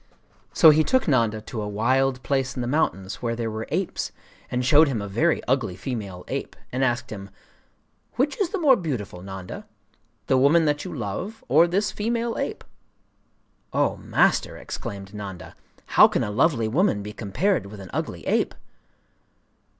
So he took Nanda to a wild place in the mountains where there were apes, and showed him a very ugly female ape, and asked him: 'Which is the more beautiful, Nanda, —the woman that you love, or this female ape?' 'Oh, Master!' exclaimed Nanda, 'how can a lovely woman be compared with an ugly ape?